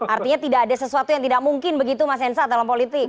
artinya tidak ada sesuatu yang tidak mungkin begitu mas hensa dalam politik